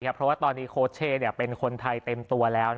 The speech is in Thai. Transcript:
เพราะว่าตอนนี้โค้ชเช่เป็นคนไทยเต็มตัวแล้ว